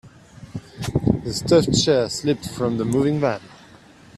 A stuffed chair slipped from the moving van.